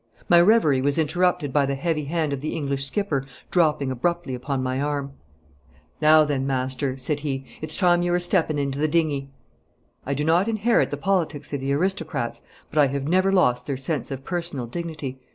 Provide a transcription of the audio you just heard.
My reverie was interrupted by the heavy hand of the English skipper dropping abruptly upon my arm. 'Now then, master,' said he, it's time you were stepping into the dingey.' I do not inherit the politics of the aristocrats, but I have never lost their sense of personal dignity.